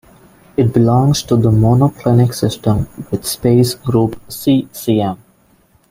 It belongs to the monoclinic system with space group C-Cm.